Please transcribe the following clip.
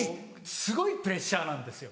すごいプレッシャーなんですよ。